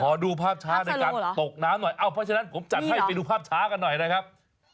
ดูภาพช้าในการตกน้ำหน่อยเอ้าเพราะฉะนั้นผมจัดให้ไปดูภาพช้ากันหน่อยนะครับ